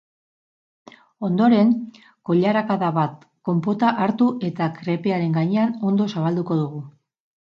Ondoren, koilaradaka bat konpota hartu eta krepearen gainean ondo zabalduko dugu.